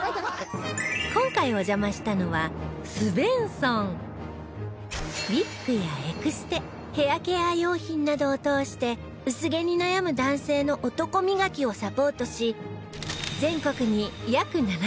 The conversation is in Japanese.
今回お邪魔したのはウィッグやエクステヘアケア用品などを通して薄毛に悩む男性の男磨きをサポートし